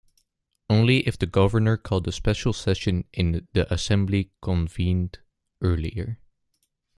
Only if the governor called for a special session is the Assembly convened earlier.